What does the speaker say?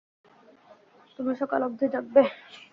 তুমি সকাল অবধি জাগবে?